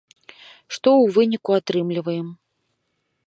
Што ў выніку атрымліваем.